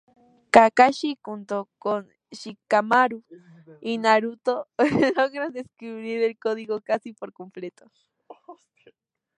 Kakashi, junto con Shikamaru y Naruto, logra descubrir el código casi por completo.